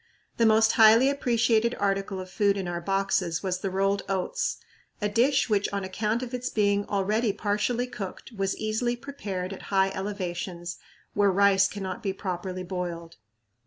The most highly appreciated article of food in our boxes was the rolled oats, a dish which on account of its being already partially cooked was easily prepared at high elevations, where rice cannot be properly boiled.